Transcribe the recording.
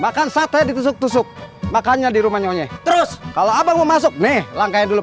makan sate di tusuk tusuk makanya di rumahnya kalau abang mau masuk nih langkahnya dulu